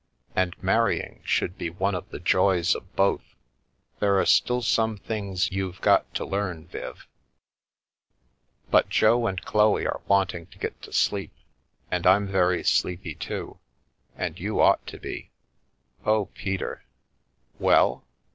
And marrying should be one of the joys of both. There're still some things you've got to learn, Viv." " But Jo and Chloe are wanting to get to sleep, and I'm very sleepy too, and you ought to be. Oh, Peter " "Well?